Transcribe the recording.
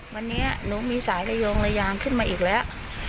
วันนี้หนูมีสายระยงระยางขึ้นมาอีกแล้ว